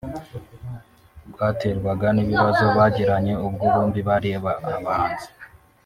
rwaterwaga n’ibibazo bagiranye ubwo bombi bari abahanzi